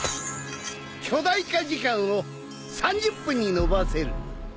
巨大化時間を３０分に延ばせる